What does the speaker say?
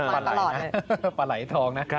ปลายตลอดเลยปลายไหลทองนะ